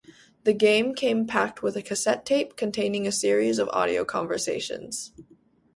The game came packaged with a cassette tape containing a series of audio conversations.